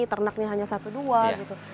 ternaknya hanya satu dua gitu